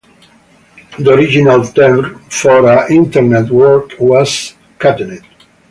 The original term for an internetwork was catenet.